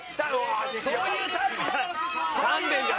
そういうタイプじゃ。